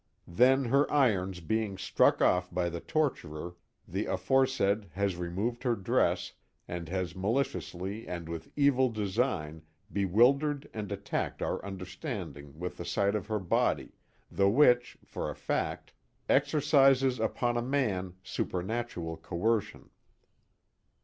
Then her irons being struck off by the torturer, the aforesaid has removed her dress, and has maliciously and with evil design bewildered and attacked our understanding with the sight of her body, the which, for a fact, exercises upon a man supernatural coercion.